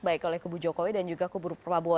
baik oleh kubu jokowi dan juga kubur prabowo